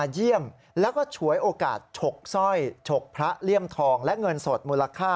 แหม่